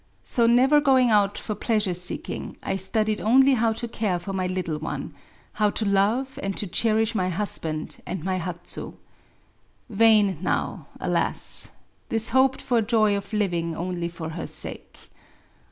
So^ never going out for pleasure^seeking^ I studied only how to care for my little one^ — how to love and to cherish my husband and my Hatsu. Vain now^ alas ! this hoped for joy of living only for her sake.